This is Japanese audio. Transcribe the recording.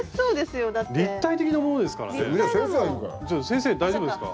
先生大丈夫ですか？